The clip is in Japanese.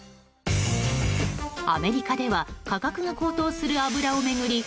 アメリカでは価格が高騰する油を巡り